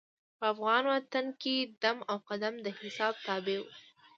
په افغان وطن کې دم او قدم د حساب تابع وو.